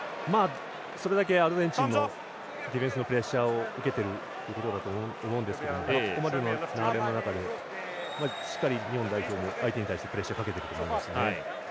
それだけアルゼンチンもディフェンスのプレッシャーを受けてるということだと思うんですけどここまでの流れの中でしっかり日本代表も相手に対して、プレッシャーかけていると思います。